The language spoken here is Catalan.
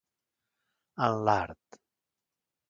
En l'art.